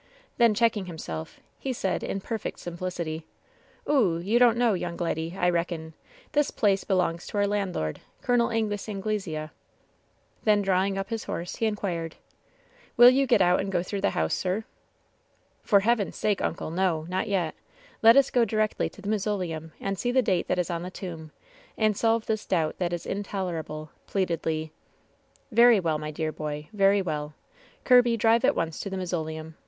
Then checking himself^ he said, in perfect simplicity : "Oo! you don't know, young leddy, I reckon— this place belongs to our landlord. Col. Angus Anglesea." Then drawing up his horse, he inquired : 'Will you get out and go through the house, sii??'* 'Tor Heaven's sake, uncle, no — ^not yet. Let us go directly to the mausoleum, and see the date that is on the tomb, and solve this doubt that is intolerable/' pleaded Le. '^ Very well, my dear boy ; very well. Kirby, drive at once to the mausoleum.